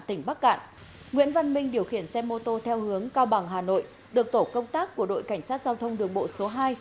tỉnh bắc cạn nguyễn văn minh điều khiển xe mô tô theo hướng cao bằng hà nội được tổ công tác của đội cảnh sát giao thông đường bộ số hai